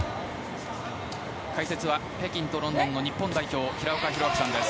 解説は北京とロンドンの日本代表平岡拓晃さんです。